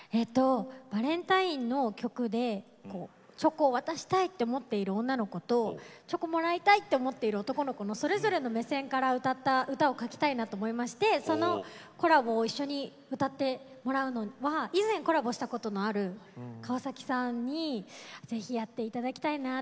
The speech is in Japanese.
バレンタインの曲でチョコを渡したいと思っている女の子とチョコをもらいたいと思っている男の子のそれぞれの目線から歌った歌を書きたいなと思いましてそのコラボを一緒に歌ってもらうのは以前コラボしたことがある川崎さんにぜひやっていただきたいなって。